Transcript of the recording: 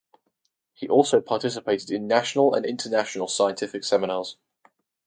He also participated in national and international scientific seminars.